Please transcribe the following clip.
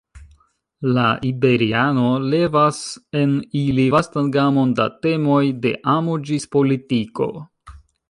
La iberiano levas en ili vastan gamon da temoj, de amo ĝis politiko.